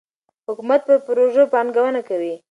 حکومت په پروژو پانګونه کوي.